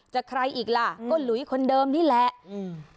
ใครอีกล่ะก็หลุยคนเดิมนี่แหละอืม